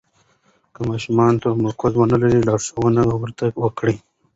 که ماشوم تمرکز ونلري، لارښوونه ورته وکړئ.